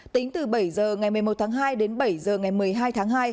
tính từ bảy giờ ngày một mươi một tháng hai đến bảy giờ ngày một mươi hai tháng hai